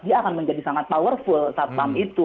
dia akan menjadi sangat powerful satpam itu